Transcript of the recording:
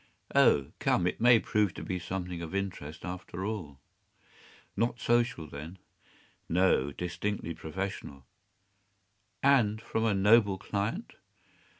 “Oh, come, it may prove to be something of interest after all.” “Not social, then?” “No, distinctly professional.” “And from a noble client?